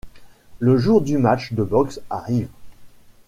Le jour du match de boxe arrive.